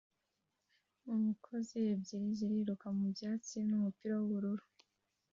Umkozi ebyiri ziruka mu byatsi n'umupira w'ubururu